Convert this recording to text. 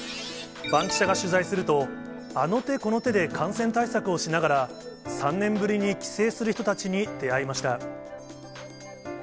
バンキシャが取材すると、あの手この手で感染対策をしながら、３年ぶりに帰省する人たちに出会いました。